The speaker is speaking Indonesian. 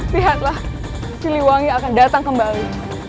lihatlah si liwangi akan datang kembali